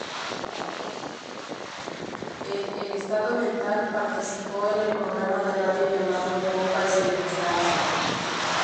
En "El Estado Mental" participó en el programa de radio llamado "Pompa y Circunstancia".